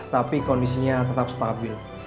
tapi kondisinya tetap stabil